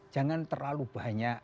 jangan terlalu banyak